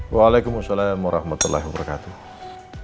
waalaikumsalam warahmatullahi wabarakatuh